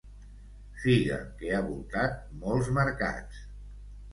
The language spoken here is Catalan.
Figa que ha voltat molts mercats.